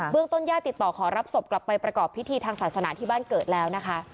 ต้นญาติติดต่อขอรับศพกลับไปประกอบพิธีทางศาสนาที่บ้านเกิดแล้วนะคะ